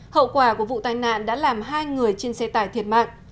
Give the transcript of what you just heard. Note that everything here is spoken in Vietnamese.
hậu quả của vụ tai nạn đã làm hai người trên xe tải thiệt mạng